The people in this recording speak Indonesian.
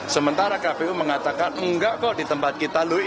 sementara kpu mengatakan enggak kok di tempat kita lui